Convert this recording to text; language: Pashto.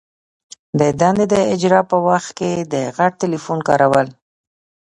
د دندي د اجرا په وخت کي د غټ ټلیفون کارول.